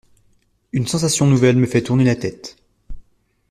Une sensation nouvelle me fait tourner la tête.